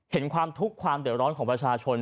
ความทุกข์ความเดือดร้อนของประชาชน